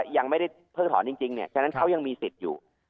ยังไม่ได้เพิกถอนจริงฉะนั้นเขายังมีสิทธิ์อยู่